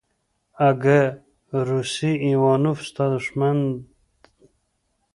اگه روسی ايوانوف ستا دښمن.